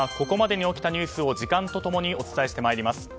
ここまでに起きたニュースを時間と共にお伝えしてまいります。